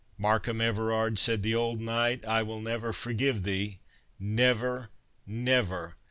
"Markham Everard," said the old knight, "I will never forgive thee— never, never.